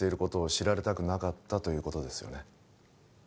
知られたくなかったということですよね？